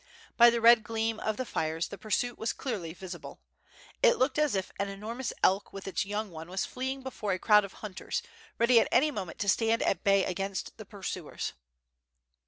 By the red gleam of the fires the pursuit was clearly visible. It looked as if an enormous elk with its young one was fleeing before a crowd of hunters, ready at any moment to stand at bay against the pursuers.